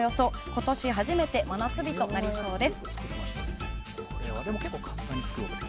今年初めて真夏日となりそうです。